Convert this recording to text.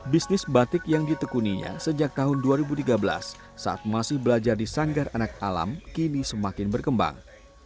bisnis batik yang ditekuninya sejak tahun dua ribu tiga belas saat masih belajar di sanggar anak alam kini semakin berkembang